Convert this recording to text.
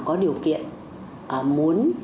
có điều kiện muốn